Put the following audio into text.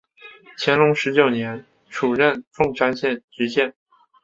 乾隆十九年署任凤山县知县。